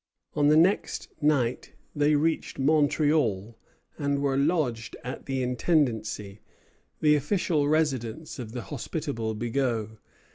On the next night they reached Montreal and were lodged at the intendency, the official residence of the hospitable Bigot.